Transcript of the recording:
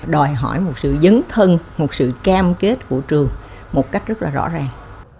đòi hỏi một sự dấn thân một sự cam kết của trường một cách rất là rõ ràng